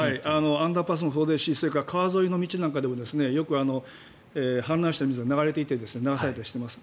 アンダーパスもそうですし川沿いの道なんかでもよく氾濫した水が流れていて流されたりしています。